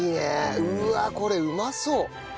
うわあこれうまそう！